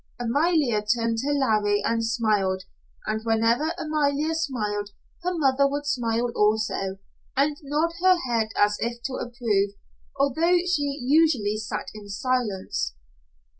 Amalia turned to Larry and smiled, and whenever Amalia smiled, her mother would smile also, and nod her head as if to approve, although she usually sat in silence.